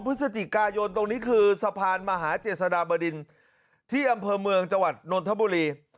พฤศจิกายนตรงนี้คือสะพานมหาเจษฎาบดินที่อำเภอเมืองจังหวัดนนทบุรี